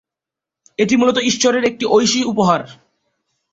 এটি মূলত ঈশ্বরের একটি ঐশী উপহার।